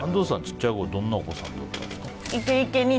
ちっちゃい頃どんなお子さんだったんですか？